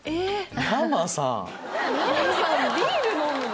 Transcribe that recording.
ヤマさんビール飲むの？